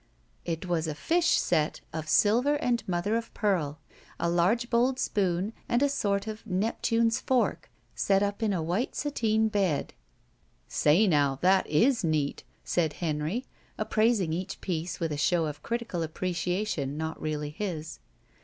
It was a fish set of silver and mother of pearl. A large bowled spoon and a sort of Neptune's fork, set up in a white sateen bed. "Say now, that is neat," said Henry, appraising each piece with a show of critical appreciation not really his.